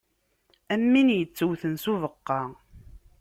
Am win ittewten s ubeqqa.